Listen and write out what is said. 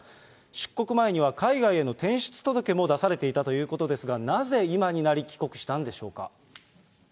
出国前には海外への転出届も出されていたということですが、なぜ今になり、帰国したんでしょうか。